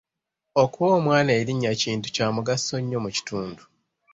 Okuwa omwana erinnya kintu kya mugaso nnyo mu kitundu.